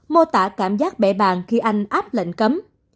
mô tả cảm giác bệ bàn khi anh áp lệnh cấm